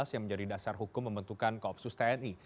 yang menjadi dasar hukum membentukan koopsus tni